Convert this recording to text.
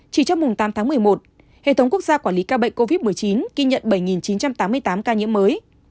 chỉ trong tám tháng một mươi một hệ thống quốc gia quản lý ca bệnh covid một mươi chín ghi nhận bảy chín trăm tám mươi tám ca nhiễm mới